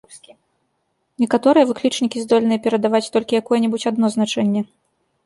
Некаторыя выклічнікі здольныя перадаваць толькі якое-небудзь адно значэнне.